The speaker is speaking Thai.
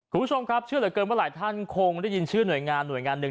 คุณผู้ชมครับเชื่อเหลือเกินว่าหลายท่านคงได้ยินชื่อหน่วยงานหน่วยงานหนึ่ง